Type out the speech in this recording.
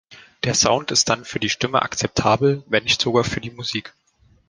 Der Sound ist dann für die Stimme akzeptabel, wenn nicht sogar für Musik.